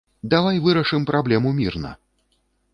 Давай вырашым праблему мірна!